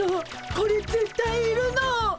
これぜったいいるの！